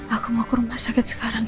aku mau ke rumah sakit sekarang